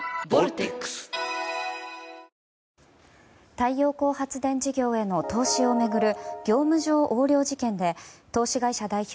太陽光発電事業への投資を巡る業務上横領事件で投資会社代表